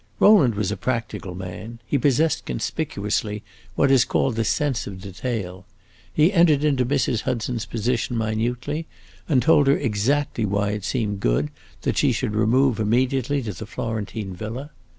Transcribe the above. Rowland was a practical man; he possessed conspicuously what is called the sense of detail. He entered into Mrs. Hudson's position minutely, and told her exactly why it seemed good that she should remove immediately to the Florentine villa.